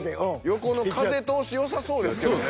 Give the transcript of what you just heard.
横の風通しよさそうですけどね。